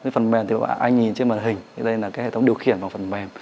phần mềm thì anh nhìn trên màn hình đây là hệ thống điều khiển vào phần mềm